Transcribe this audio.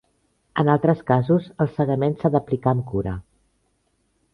En altres casos, el cegament s'ha d'aplicar amb cura.